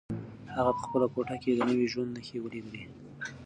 هغه په خپله کوټه کې د نوي ژوند نښې ولیدلې.